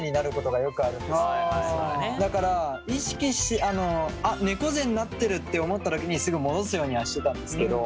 だから意識してあ猫背になってるって思ったときにすぐ戻すようにはしてたんですけど。